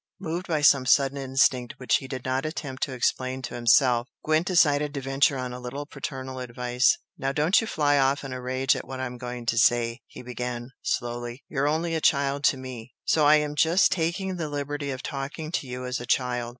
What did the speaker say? Moved by some sudden instinct which he did not attempt to explain to himself, Gwent decided to venture on a little paternal advice. "Now don't you fly off in a rage at what I'm going to say," he began, slowly "You're only a child to me so I'm just taking the liberty of talking to you as a child.